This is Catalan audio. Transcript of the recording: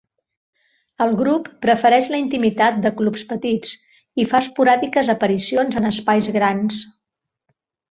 El grup prefereix la intimitat de clubs petits i fa esporàdiques aparicions en espais grans.